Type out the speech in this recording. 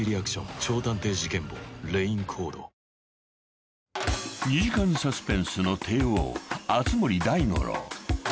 続く［２時間サスペンスの帝王熱護大五郎］